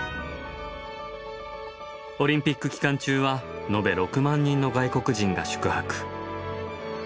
オリンピック期間中は延べ６万人の外国人が宿泊。